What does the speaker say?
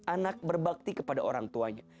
anak berbakti kepada orang tuanya